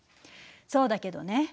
そうだけどね。